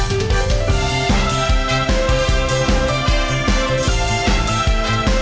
สวัสดีค่ะแม่บ้านประจันบาล